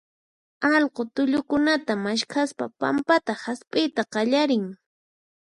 allqu tullukunata maskhaspa pampata hasp'iyta qallarin.